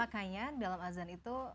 makanya dalam azan itu